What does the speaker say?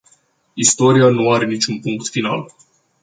Istoria nu are niciun punct final.